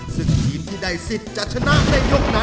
ซึ่งทีมที่ได้สิทธิ์จะชนะในยกนั้น